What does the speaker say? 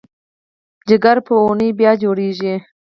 جګر په اونیو بیا جوړېږي.